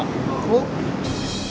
おっ。